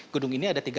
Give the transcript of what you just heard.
gedung ini ada tiga